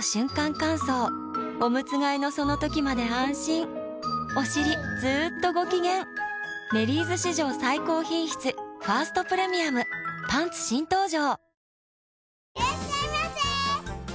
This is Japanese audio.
乾燥おむつ替えのその時まで安心おしりずっとご機嫌「メリーズ」史上最高品質「ファーストプレミアム」パンツ新登場！